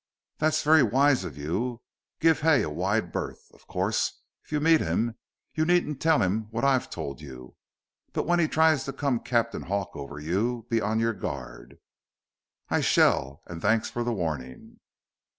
"That's very wise of you. Give Hay a wide berth. Of course, if you meet him, you needn't tell him what I have told you. But when he tries to come Captain Hawk over you, be on your guard." "I shall, and thanks for the warning."